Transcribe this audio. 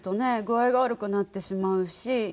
具合が悪くなってしまうし。